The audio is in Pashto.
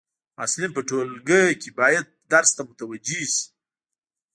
محصلین په ټولګی کي باید درس ته متوجي سي.